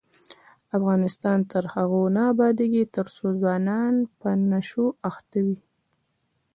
افغانستان تر هغو نه ابادیږي، ترڅو ځوانان په نشو اخته وي.